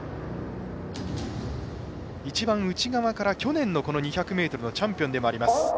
一番内側から去年の２００ｍのチャンピオンでもあります